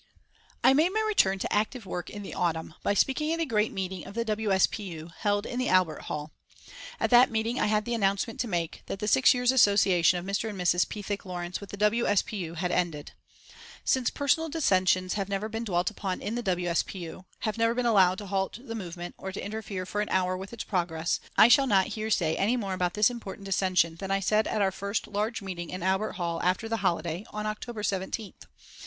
I made my return to active work in the autumn by speaking at a great meeting of the W. S. P. U., held in the Albert Hall. At that meeting I had the announcement to make that the six years' association of Mr. and Mrs. Pethick Lawrence with the W. S. P. U. had ended. Since personal dissensions have never been dwelt upon in the W. S. P. U., have never been allowed to halt the movement or to interfere for an hour with its progress, I shall not here say any more about this important dissension than I said at our first large meeting in Albert Hall after the holiday, on October 17th.